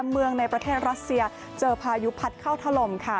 เมืองในประเทศรัสเซียเจอพายุพัดเข้าถล่มค่ะ